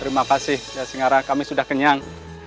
terima kasih jaya sangara kami sudah kenyang